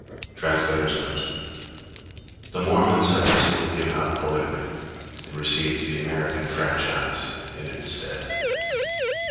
[Footnote 1: Translator's Note. The Mormons have recently given up polygamy, and received the American franchise in its stead.